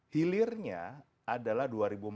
hilirnya adalah dua ribu empat puluh lima